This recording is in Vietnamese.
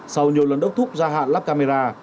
sau nhiều lần đốc thúc gia hạn lắp camera